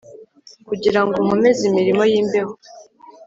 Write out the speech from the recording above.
Kugirango nkomeze imirimo yimbeho